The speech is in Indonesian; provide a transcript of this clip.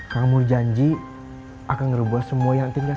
kamu janji akan ngerubah semua yang tin gak suka